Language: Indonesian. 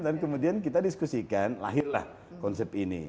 dan kemudian kita diskusikan lahirlah konsep ini